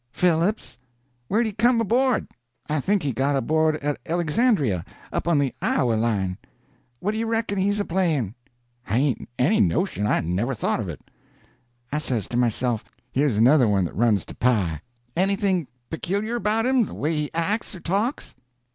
"Phillips." "Where'd he come aboard?" "I think he got aboard at Elexandria, up on the Iowa line." "What do you reckon he's a playing?" "I hain't any notion—I never thought of it." I says to myself, here's another one that runs to pie. "Anything peculiar about him?—the way he acts or talks?"